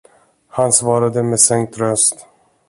Han svarade med sänkt röst.